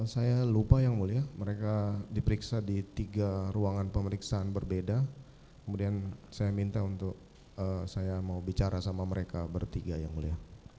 saya lupa yang mulia mereka diperiksa di tiga ruangan pemeriksaan berbeda kemudian saya minta untuk saya mau bicara sama mereka bertiga yang mulia